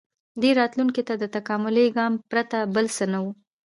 • دې راتلونکي ته د تکاملي ګام پرته بل څه نه و.